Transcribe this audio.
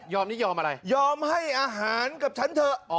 ยอมให้อาหารกับฉันเถอะ